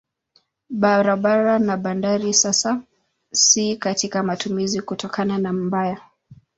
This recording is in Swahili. Barabara na bandari sasa si katika matumizi kutokana na mbaya.